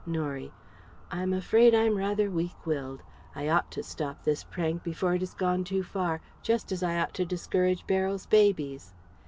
Norie: "I'm afraid I'm rather weak willed. I ought to stop this prank before it has gone too far, just as I ought to discourage Beryl's babies.